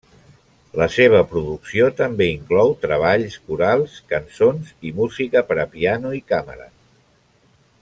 La seva producció també inclou treballs corals, cançons i música per a piano i càmera.